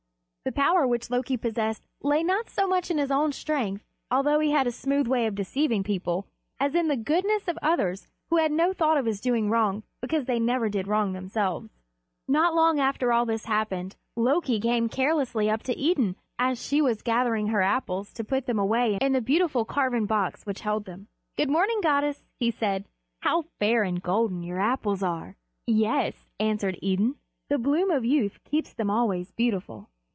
The power which Loki possessed lay not so much in his own strength, although he had a smooth way of deceiving people, as in the goodness of others who had no thought of his doing wrong because they never did wrong themselves. Not long after all this happened, Loki came carelessly up to Idun as she was gathering her Apples to put them away in the beautiful carven box which held them. "Good morning, goddess," said he. "How fair and golden your Apples are! "Yes," answered Idun; "the bloom of youth keeps them always beautiful."